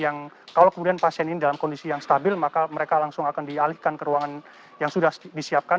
kami sudah melakukan beberapa ruangan yang kalau pasien ini dalam kondisi yang stabil maka mereka langsung akan dialihkan ke ruangan yang sudah disiapkan